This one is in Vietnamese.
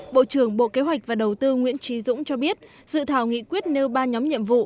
bộ trưởng bộ kế hoạch và đầu tư nguyễn trí dũng cho biết dự thảo nghị quyết nêu ba nhóm nhiệm vụ